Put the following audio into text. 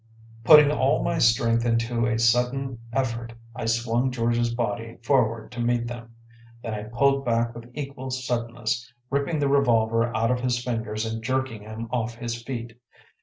Putting all my strength into a sudden effort, I swung George’s body forward to meet them. Then I pulled back with equal suddenness, ripping the revolver out of his fingers and jerking him off his feet.